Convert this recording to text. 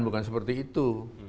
bukan seperti itu